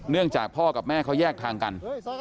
จากพ่อกับแม่เขาแยกทางกัน